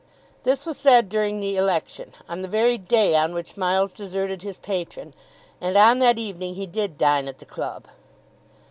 This was said during the election, on the very day on which Miles deserted his patron; and on that evening he did dine at the club.